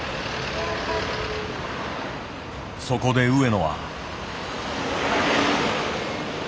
そこで上野は。